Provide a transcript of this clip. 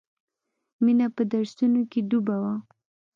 مینه په درسونو کې ډوبه وه